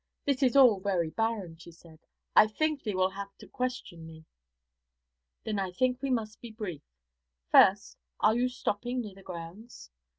'This is all very barren,' she said. 'I think thee will have to question me.' 'Then I think we must be brief. First, are you stopping near the grounds?'